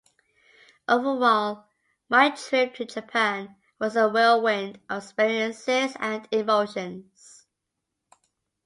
Overall, my trip to Japan was a whirlwind of experiences and emotions.